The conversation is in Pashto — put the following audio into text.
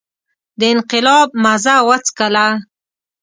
د انقلاب مزه وڅکله.